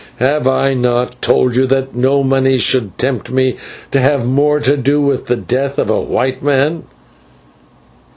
Have I not told you that no money should tempt me to have more to do with the death of white men?"